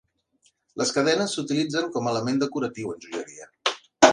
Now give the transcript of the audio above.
Les cadenes s'utilitzen com a element decoratiu en joieria.